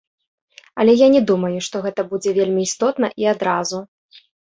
Але я не думаю, што гэта будзе вельмі істотна і адразу.